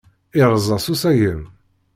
Irreẓ-as usagem.